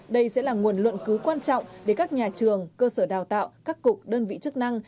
đây sẽ là nguồn luận cứu quan trọng để các nhà trường cơ sở đào tạo các cục đơn vị chức năng